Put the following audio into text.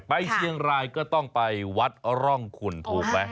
ไปเชียงรายก็ต้องไปวัดร่องคุณถูกไหม